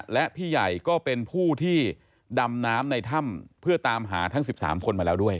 และพี่ใหญ่ก็เป็นผู้ที่ดำน้ำในถ้ำเพื่อตามหาทั้ง๑๓คนมาแล้วด้วย